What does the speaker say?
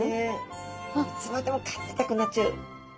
いつまでもかんでいたくなっちゃう。